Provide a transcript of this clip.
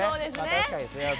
確かに。